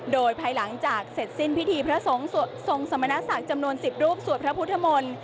โดยภายหลังจากเสร็จสิ้นพิธีพระทรงสมณสักจำนวน๑๐รูปสวัสดิ์พระพุทธมล